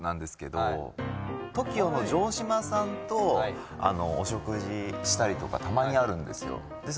ＴＯＫＩＯの城島さんとお食事したりとかたまにあるんですよ